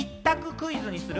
クイズにする？